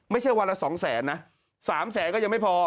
ไม่ใช่วันละ๒๐๐๐๐๐นะ๓๐๐๐๐๐ก็ยังไม่พอ